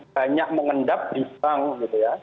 banyak mengendap di bank gitu ya